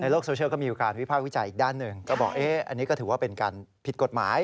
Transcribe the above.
ลูกหลานวิพากษ์วิจัยอีกด้านหนึ่งก็บอกอันนี้ก็ถือว่าเป็นการผิดกฎหมาย